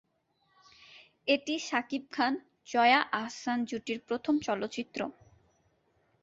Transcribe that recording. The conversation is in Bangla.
এটি শাকিব খান-জয়া আহসান জুটির প্রথম চলচ্চিত্র।